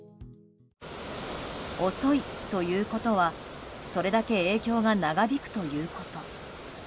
遅いということは、それだけ影響が長引くということ。